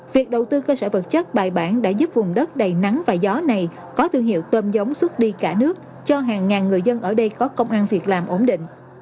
việc đầu tư cơ sở vật chất bài bản đã giúp vùng đất đầy nắng và gió này có thương hiệu tôm giống xuất đi cả nước cho hàng ngàn người dân ở đây có công an việc làm ổn định